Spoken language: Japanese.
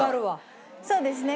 そうですね。